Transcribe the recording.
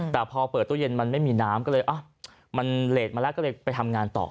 แต่พอเปิดตู้เย็นมันไม่มีน้ำก็เลยมันเลสมาแล้วก็เลยไปทำงานต่อ